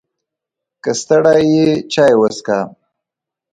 که ستړی یې، چای وڅښه!